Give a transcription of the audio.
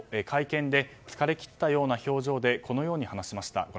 会見で疲れきったような表情でこのように話しました。